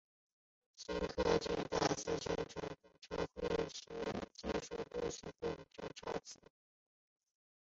对新技术的大肆宣传通常会使技术词汇变成潮词。